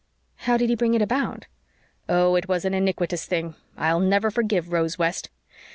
"How did he bring it about?" "Oh, it was an iniquitous thing! I'll never forgive Rose West.